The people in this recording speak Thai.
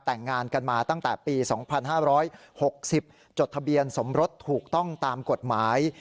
แต่งงานกันมาตั้งแต่ปี๒๕๖๐จดทะเบียนสมรสถูกต้องตามกฎหมาย